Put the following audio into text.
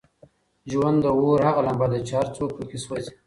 ژوند د اور هغه لمبه ده چې هر څوک پکې سوزي.